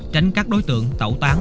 tránh các đối tượng tẩu tán